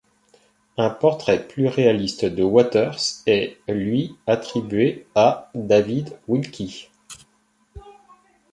Un portrait plus réaliste de Waters est lui attribué à David Wilkie.